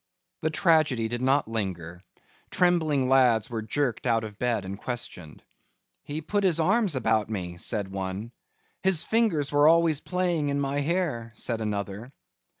The tragedy did not linger. Trembling lads were jerked out of bed and questioned. "He put his arms about me," said one. "His fingers were always playing in my hair," said another.